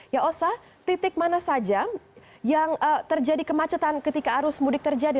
ya osa titik mana saja yang terjadi kemacetan ketika arus mudik terjadi